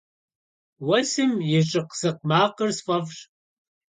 Уэсым и щӏыкъ-сыкъ макъыр сфӏэфӏщ.